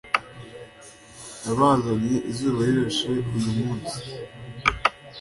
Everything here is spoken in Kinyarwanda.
Yabazanye izuba rirashe uyumunsi